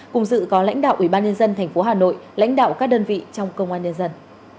cùng dự có lãnh đạo ủy ban nhân dân tp hà nội lãnh đạo các đơn vị trong công an nhân dân